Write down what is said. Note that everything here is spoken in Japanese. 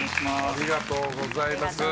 ありがとうございます。